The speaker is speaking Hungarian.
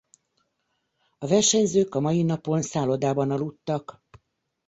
A versenyzők a mai napon szállodában aludtak.